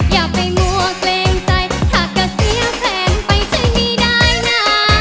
อย่าไปมั่วเกรงใจถ้าก็เสียแผนไปช่วยมีได้น่ะ